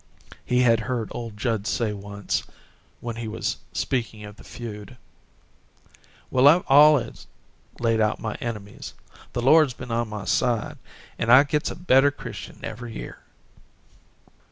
He had heard old Judd say once, when he was speaking of the feud: "Well, I've al'ays laid out my enemies. The Lord's been on my side an' I gits a better Christian every year."